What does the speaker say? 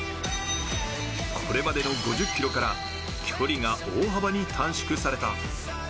これまでの５０ｋｍから距離が大幅に短縮された。